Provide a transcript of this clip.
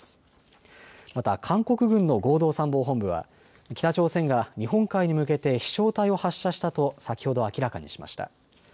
また韓国軍の合同参謀本部は北朝鮮が日本海に向けて飛しょう体を発射したと先ほど明らかにしました。